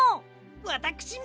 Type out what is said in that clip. わたくしも！